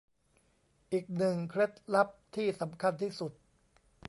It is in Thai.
อีกหนึ่งเคล็ดลับที่สำคัญสุด